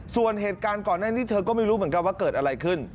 ส่วนเหตุการณ์ก่อนหน้านี้เธอก็ไม่รู้เหมือนกันว่าเกิดอะไรขึ้น